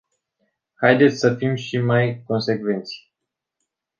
Haideți să fim și mai consecvenți.